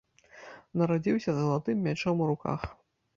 Нарадзіўся з залатым мячом у руках.